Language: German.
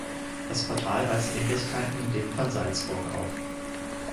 Das Portal weist Ähnlichkeiten mit dem von Salzburg auf.